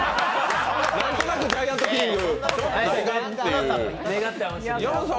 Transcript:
何となくジャイアントキリング。